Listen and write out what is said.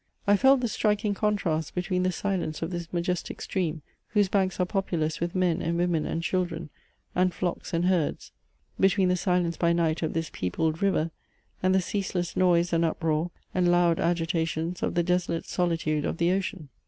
I felt the striking contrast between the silence of this majestic stream, whose banks are populous with men and women and children, and flocks and herds between the silence by night of this peopled river, and the ceaseless noise, and uproar, and loud agitations of the desolate solitude of the ocean.